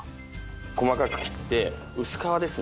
細かく切って薄皮ですね